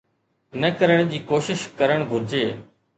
نه ڪرڻ جي ڪوشش ڪرڻ گهرجي.